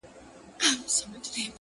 نوره خندا نه کړم زړگيه؛ ستا خبر نه راځي؛